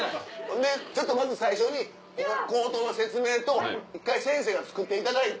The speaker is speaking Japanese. でちょっとまず最初に口頭の説明と１回先生が作っていただいて。